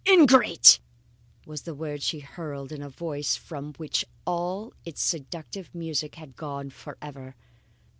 "Ingrate!" was the word she hurled in a voice from which all its seductive music had gone forever.